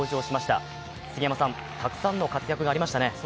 たくさんの活躍がありましたね。